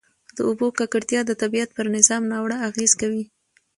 د اوبو ککړتیا د طبیعت پر نظام ناوړه اغېز کوي.